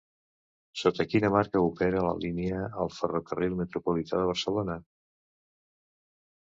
Sota quina marca opera la línia el Ferrocarril Metropolità de Barcelona?